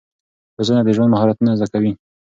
روزنه د ژوند مهارتونه زده کوي.